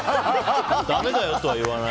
だめだよとは言わない。